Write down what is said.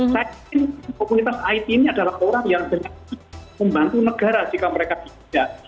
saya yakin komunitas it ini adalah orang yang dengan membantu negara jika mereka tidak